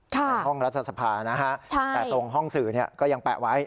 ในห้องรัฐสภานะฮะแต่ตรงห้องสื่อก็ยังแปะไว้